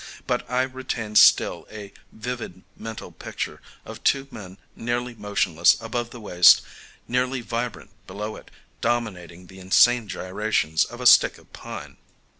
But I retain still a vivid mental picture of two men nearly motionless above the waist, nearly vibrant below it, dominating the insane gyrations of a stick of pine.